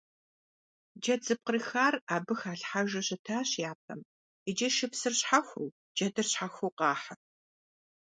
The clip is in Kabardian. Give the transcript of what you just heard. Джэд зэпкъырыхар абы халъхьэжу щытащ япэм, иджы шыпсыр щхьэхуэу джэдыр щхьэхуэу къахьыр.